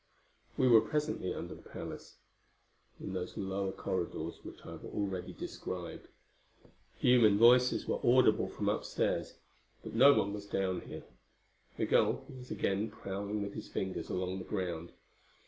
We were presently under the palace, in those lower corridors which I have already described. Human voices were audible from upstairs, but no one was down here. Migul was again prowling with his fingers along the ground.